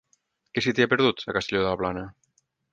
Què se t'hi ha perdut, a Castelló de la Plana?